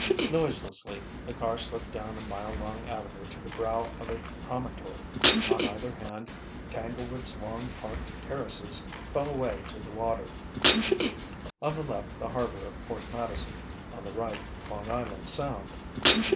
Noiselessly the car slipped down a mile long avenue to the brow of a promontory. On either hand Tanglewood's long parked terraces fell away to the water: on the left the harbour of Port Madison, on the right, Long Island Sound.